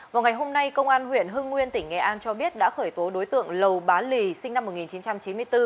vào ngày hôm nay công an huyện hưng nguyên tỉnh nghệ an cho biết đã khởi tố đối tượng lầu bá lì sinh năm một nghìn chín trăm chín mươi bốn